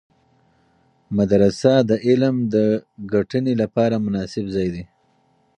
مدرسه د علم د ګټنې لپاره مناسب ځای دی.